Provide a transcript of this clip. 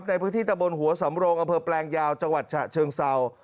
ในพื้นที่ตะบนหัวสำโรงอำเภอแปลงยาวจังหวัดฉะเชิงเศร้า